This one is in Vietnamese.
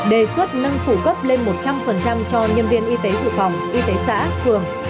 đề xuất nâng phụ cấp lên một trăm linh cho nhân viên y tế dự phòng y tế xã phường